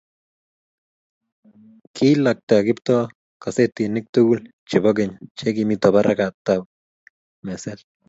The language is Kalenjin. kilakta Kiptoo gasetinik tugul chebo keny che kimito barakutab meset